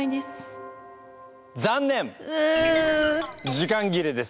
時間ぎれです。